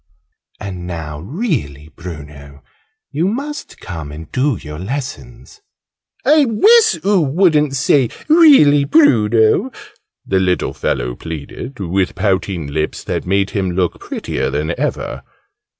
And now, really Bruno, you must come and do your lessons." "I wiss oo wouldn't say 'really Bruno!'" the little fellow pleaded, with pouting lips that made him look prettier than ever.